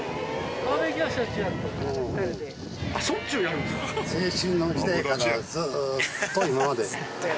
しょっちゅうやるんですか？